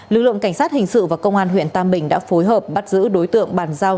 lực lượng cảnh sát hình sự và công an huyện tam bình đã phối hợp bắt giữ đối tượng bàn giao